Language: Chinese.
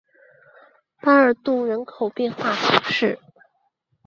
巴尔杜人口变化图示